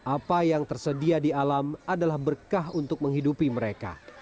apa yang tersedia di alam adalah berkah untuk menghidupi mereka